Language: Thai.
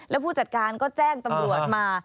แล้วผู้จัดการก็แจ้งตำรวจมา